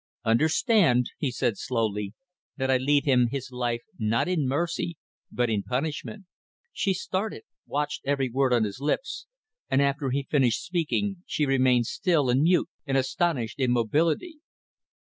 "Understand," he said slowly, "that I leave him his life not in mercy but in punishment." She started, watched every word on his lips, and after he finished speaking she remained still and mute in astonished immobility.